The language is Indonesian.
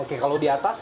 oke kalau di atas